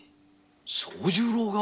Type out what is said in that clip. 惣十郎が。